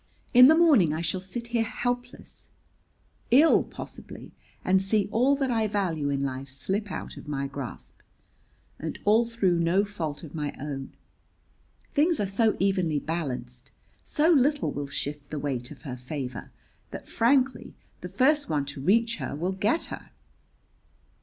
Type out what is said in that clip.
In the morning I shall sit here helpless ill, possibly and see all that I value in life slip out of my grasp. And all through no fault of my own! Things are so evenly balanced, so little will shift the weight of her favor, that frankly the first one to reach her will get her."